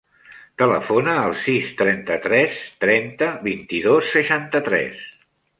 Telefona al sis, trenta-tres, trenta, vint-i-dos, seixanta-tres.